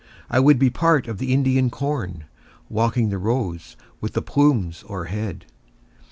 I would be part of the Indian corn, Walking the rows with the plumes o'erhead.